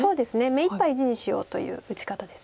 目いっぱい地にしようという打ち方です。